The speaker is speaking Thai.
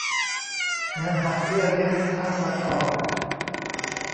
ยังหักเบี้ยเลี้ยงค่าประกอบ